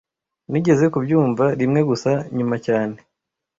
Nigeze kubyumva rimwe gusa nyuma cyane